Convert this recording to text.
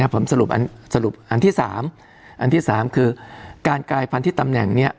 ผมสรุปอันที่๓อันที่๓คือการกายพันธุ์ตำแหน่งนี้